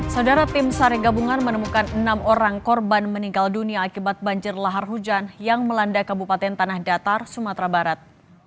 saudara tim sar gabungan menemukan enam orang korban meninggal dunia akibat banjir lahar hujan yang melanda kabupaten tanah datar sumatera barat